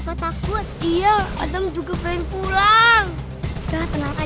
sampai jumpa di video selanjutnya